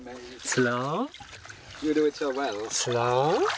スロー。